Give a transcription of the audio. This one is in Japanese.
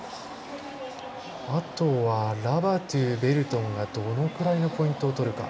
あとはラバトゥ、ベルトンがどのぐらいのポイントを取るか。